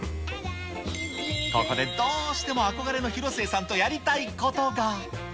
ここでどうしても憧れの広末さんとやりたいことが。